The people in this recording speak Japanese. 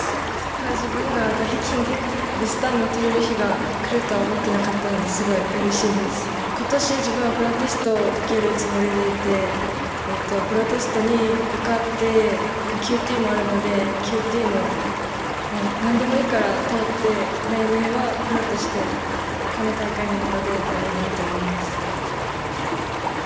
まさか自分がダイキンでとれる日が来ると思わなかったので、すごいうれしいです今年、自分はプロテストを受けるつもりでいてプロテストに受かってＱＴもあるので、ＱＴも通って何でもいいから通って、来年はプロとしてこの大会にまた出れたらいいなと思います。